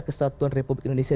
kesatuan republik indonesia